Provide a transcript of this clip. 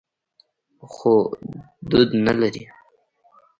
خو دود نه لري.